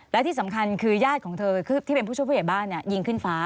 และที่สำคัญคือญาติของเธอที่เป็นผู้ช่วยผู้ใหญ่บ้านยิงขึ้นฟ้า